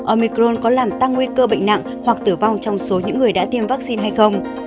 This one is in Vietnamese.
omicron có làm tăng nguy cơ bệnh nặng hoặc tử vong trong số những người đã tiêm vaccine hay không